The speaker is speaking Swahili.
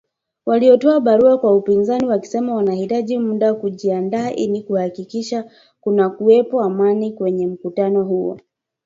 Walitoa barua kwa upinzani wakisema wanahitaji muda kujiandaa ili kuhakikisha kunakuwepo Amani kwenye mkutano huo